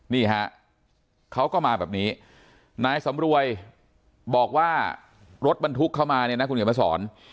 นี่ฮะเขาก็มาแบบนี้นายสำรวยบอกว่ารถบรรทุกเข้ามาเนี่ยนะคุณเขียนมาสอน